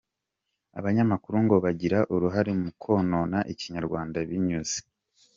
Abanyamakuru ngo bagira uruhare mu konona Ikinyarwanda binyuze .